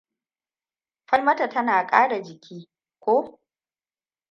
Falmata tana kara jiki, ko?